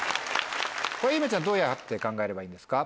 ゆめちゃんどうやって考えればいいんですか？